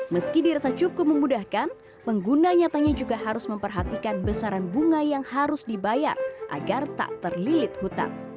meski dirasa cukup memudahkan pengguna nyatanya juga harus memperhatikan besaran bunga yang harus dibayar agar tak terlilit hutan